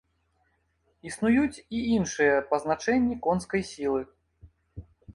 Існуюць і іншыя пазначэнні конскай сілы.